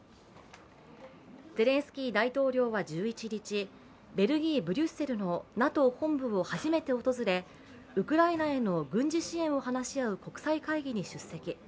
ゼレンスキー大統領は１１日、ベルギーブリュッセルのＮＡＴＯ本部を初めて訪れウクライナへの軍事支援を話し合う国際会議に出席。